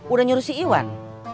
udah nyuruh si iwan